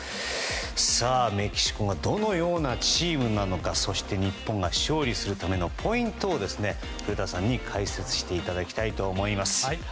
メキシコがどのようなチームなのかそして日本が勝利するためのポイントを古田さんに解説していただきたいと思います。